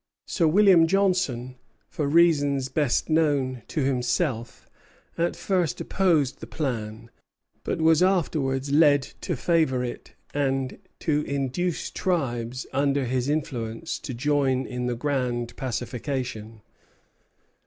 Sir William Johnson, for reasons best known to himself, at first opposed the plan; but was afterwards led to favor it and to induce tribes under his influence to join in the grand pacification.